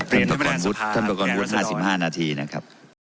เปลี่ยนท่านประกอบท่านประกอบ๕๕นาทีนะครับ